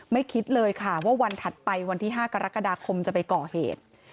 คิดเลยค่ะว่าวันถัดไปวันที่๕กรกฎาคมจะไปก่อเหตุ